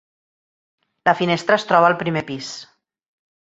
La finestra es troba al primer pis.